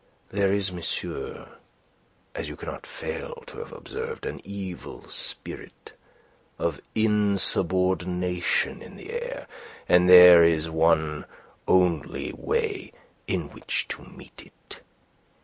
There is, monsieur, as you cannot fail to have observed, an evil spirit of insubordination in the air, and there is one only way in which to meet it.